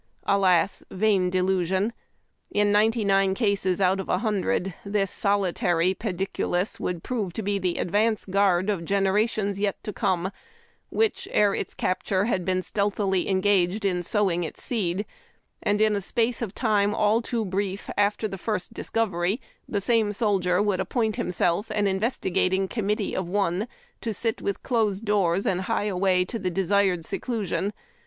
Alas, vain delusion ! In ninety nine cases out of a hundred this solitary pediculus would prove to be the advance guard of generations yet to come, which, ere its capture, had been stealthily engaged in sowing its seed ; and in a space of time all too brief, after the first LIFE IN LOG HUTS. 81 discovery the same soldier would appoint himself an inves tigating committee of one to sit with closed doors, and hie away to the desired seclusion.